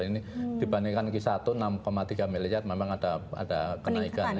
ini dibandingkan ki satu enam tiga miliar memang ada kenaikan